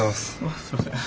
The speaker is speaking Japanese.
すいません。